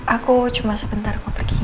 aku cuma sebentar kok pergi ya